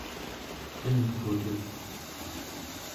kenkutuk